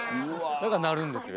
だから鳴るんですよ